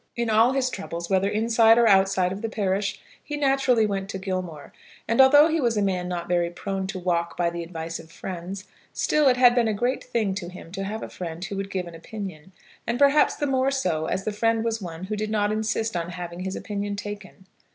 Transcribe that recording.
In all his troubles, whether inside or outside of the parish, he naturally went to Gilmore; and, although he was a man not very prone to walk by the advice of friends, still it had been a great thing to him to have a friend who would give an opinion, and perhaps the more so, as the friend was one who did not insist on having his opinion taken.